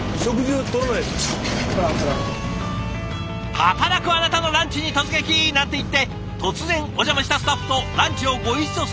働くあなたのランチに突撃！なんて言って突然お邪魔したスタッフとランチをご一緒させてもらう「さし飯」。